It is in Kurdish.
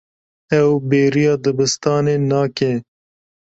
Ew bêriya dibistanê nake.